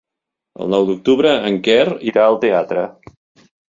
El nou d'octubre en Quer irà al teatre.